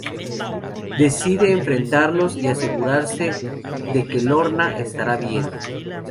Decide enfrentarlos y asegurarse de que Lorna estará bien.